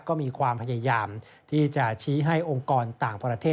ก็มีความพยายามที่จะชี้ให้องค์กรต่างประเทศ